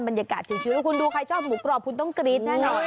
บรรยากาศเฉียวแล้วกูชอบหมูกรอบต้องกรีด